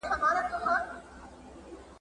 اقتصادي پرمختيا له اقتصادي ودي سره څنګه توپير لري؟